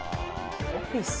オフィス？